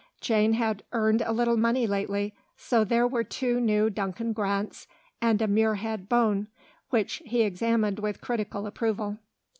Jane had earned a little money lately, so there were two new Duncan Grants and a Muirhead Bone, which he examined with critical approval.